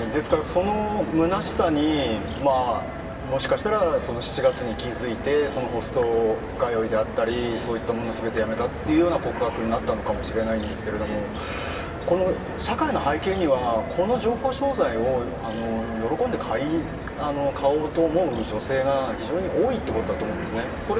そのむなしさにもしかしたら７月に気付いてホスト通いであったりそういったもの全てやめたという告白になったのかもしれないですが社会の背景にはこの情報商材を喜んで買おうと思う女性が非常に多いというところです。